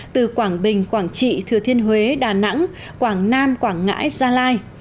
từ quảng bình quảng trị thừa thiên huế đà nẵng quảng nam quảng ngãi gia lai